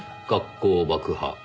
「学校爆破。